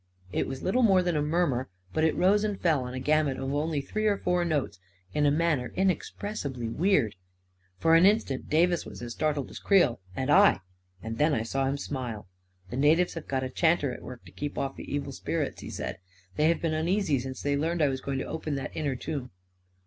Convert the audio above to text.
It was little more than a murmur ; but it rose and fell on a gamut of only three or four notes in a manner inexpressibly weird. For an instant Davis was as startled as Creel and I ; then I saw him smile. II The natives have got a chanter at work to keep off the evil spirits," he said. " They have been un easy since they learned I was going to open that inner tomb."